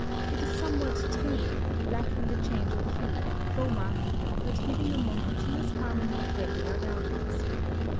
It is somewhat tame, lacking the change of hue and chroma, but giving a monotonous harmony of regular values.